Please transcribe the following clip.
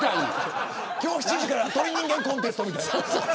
今日７時から鳥人間コンテストみたいな。